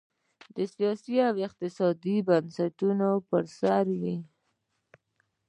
د سیاسي او اقتصادي بنسټونو پر سر وې.